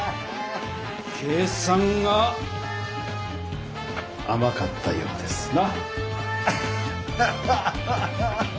計算があまかったようですな！